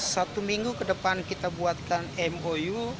satu minggu ke depan kita buatkan mou